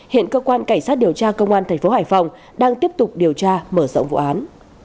hiện cơ quan cảnh sát điều tra công an tp hải phòng đang tiếp tục điều tra mở rộng vụ án